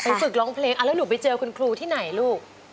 ฝึกร้องเพลงแล้วหนูไปเจอคุณครูที่ไหนลูก